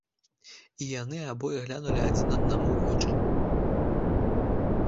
І яны абое глянулі адзін аднаму ў вочы.